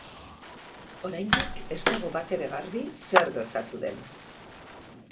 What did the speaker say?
Oraindik ez dago batere garbi zer gertatu den.